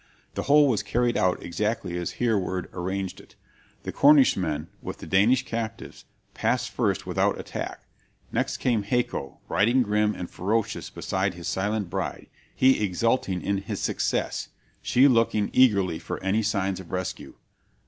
The whole was carried out exactly as Hereward arranged it. The Cornishmen, with the Danish captives, passed first without attack; next came Haco, riding grim and ferocious beside his silent bride, he exulting in his success, she looking eagerly for any signs of rescue.